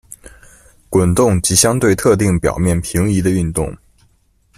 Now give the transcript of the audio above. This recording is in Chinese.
滚动及相对特定表面平移的的运动。